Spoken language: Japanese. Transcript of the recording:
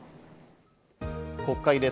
国会です。